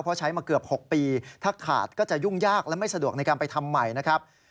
เพราะใช้มาเกือบ๖ปีถ้าขาดก็จะยุ่งยากและไม่สะดวกในการไปทำใหม่นะครับ